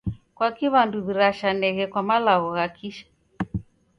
Kwaki w'andu w'irashaneghe kwa malagho gha kisha?